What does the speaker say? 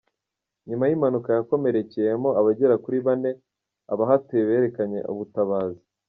Nyuma y’impanuka yakomerekeyemo abagera kuri Bane abahatuye berekanye ubutabazi